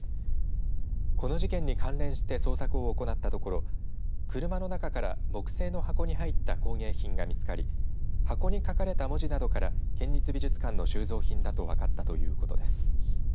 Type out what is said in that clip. この事件に関連して捜索を行ったところ車の中から木製の箱に入った工芸品が見つかり箱に書かれた文字などから県立美術館の収蔵品だと分かったということです。